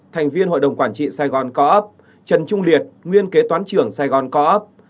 thành viên hội đồng quản trị sài gòn co op trần trung liệt nguyên kế toán trưởng sài gòn co op